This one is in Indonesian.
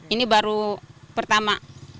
ini baru pertama